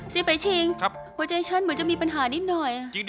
ไปชิงหัวใจฉันเหมือนจะมีปัญหานิดหน่อย